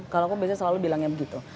kalau aku biasanya selalu bilangnya begitu